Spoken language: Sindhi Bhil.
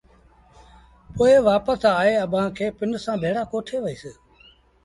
پوء وآپس آئي اڀآنٚ کي پنڊ سآݩٚ ڀيڙآ ڪوٺي وهيٚس